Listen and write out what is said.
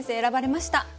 選ばれました。